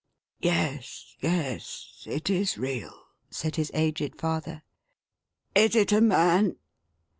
" Yes, yes, it is real," said his aged father. " Is it a man